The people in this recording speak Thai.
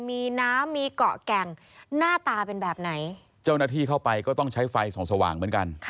มีน้ำมีเกาะแก่งหน้าตาเป็นแบบไหนเจ้าหน้าที่เข้าไปก็ต้องใช้ไฟส่องสว่างเหมือนกัน